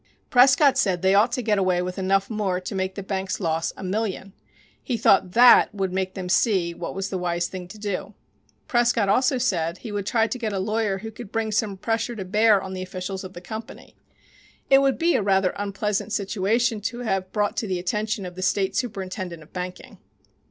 Prescott said they ought to get away with enough more to make the bank's loss a million. He thought that would make them see what was the wise thing to do. Prescott also said he would try to get a lawyer who could bring some pressure to bear on the officials of the company. It would be a rather unpleasant situation to have brought to the attention of the State Superintendent of Banking.